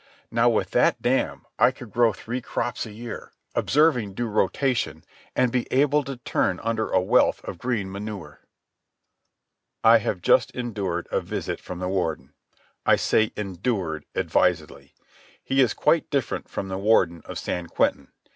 Now with that dam I could grow three crops a year, observing due rotation, and be able to turn under a wealth of green manure. ... I have just endured a visit from the Warden. I say "endured" advisedly. He is quite different from the Warden of San Quentin.